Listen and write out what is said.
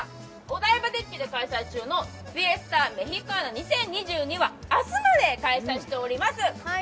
お台場デッキで開催中のフィエスタ・メヒカーナ２０２２は明日まで開催しております。